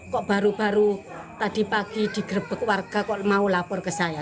kok baru baru tadi pagi digerebek warga kok mau lapor ke saya